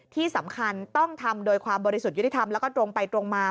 ที่สำคัญต้องทำโดยความบริสุทธิ์ยุติธรรมแล้วก็ตรงไปตรงมา